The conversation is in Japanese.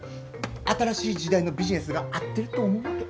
新しい時代のビジネスが合ってると思うわけ。